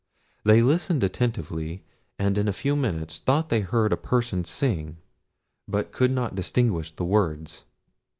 They listened attentively, and in a few minutes thought they heard a person sing, but could not distinguish the words.